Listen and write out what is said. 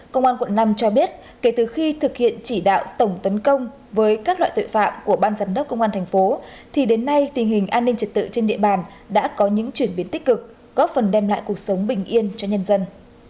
công an quận năm cho biết kể từ khi thực hiện chỉ đạo tổng tấn công với các loại tội phạm của ban giám đốc công an thành phố thì đến nay tình hình an ninh trật tự trên địa bàn đã có những chuyển biến tích cực góp phần đem lại cuộc sống bình yên cho nhân dân